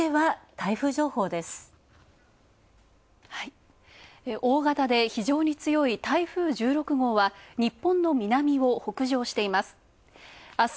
大型で非常に強い台風１６号は日本の南を北上しています。